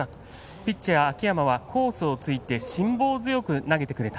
ピッチャー、秋山はコースをついて辛抱強く投げてくれた。